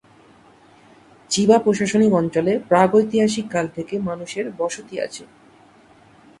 Chiba প্রশাসনিক অঞ্চলে প্রাগৈতিহাসিক কাল থেকে মানুষের বসতি আছে।